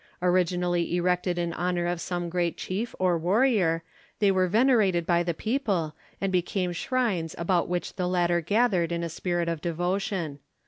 Originally erected in honour of some great chief or warrior, they were venerated by the people, and became shrines about which the latter gathered in a spirit of devotion.